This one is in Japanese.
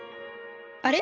あれ？